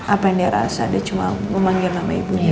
apa yang dia rasa dia cuma memanggil nama ibunya